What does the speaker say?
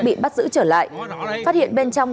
bị bắt giữ trở lại phát hiện bên trong